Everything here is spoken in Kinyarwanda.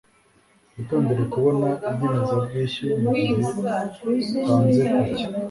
witondere kubona inyemezabwishyu mugihe utanze paki